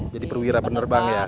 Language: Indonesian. jadi perwira penerbang ya